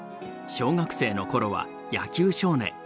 小学生の頃は野球少年。